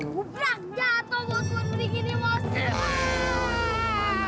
bubrak jatoh buat pohon beringin nih bos